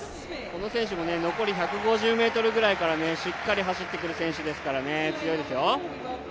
この選手も残り１５０ｍぐらいからしっかり走ってくる選手ですから強いですよ。